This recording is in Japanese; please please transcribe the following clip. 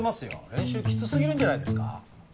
練習きつすぎるんじゃないですか？